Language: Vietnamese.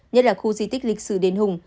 nhất là khu di tích lịch sử đền hùng